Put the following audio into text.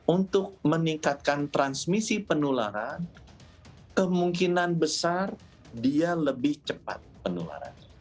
untuk meningkatkan transmisi penularan kemungkinan besar dia lebih cepat penularannya